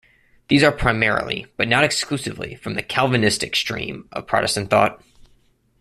These are primarily, but not exclusively, from the Calvinistic stream of Protestant thought.